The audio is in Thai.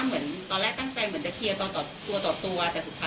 เหมือนจะเคลียร์ตัวตัวตัว